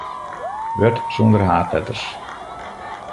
Wurd sonder haadletters.